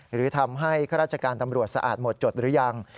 หรือทำให้ข้าราชการตำรวจสะอาดหมดจดหรือยัง